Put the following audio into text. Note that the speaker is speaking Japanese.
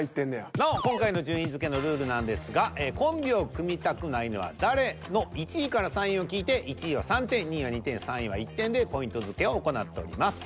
なお今回の順位付けのルールなんですがコンビを組みたくないのは誰？の１位３位を聞いて１位は３点２位は２点３位は１点でポイント付けを行っております。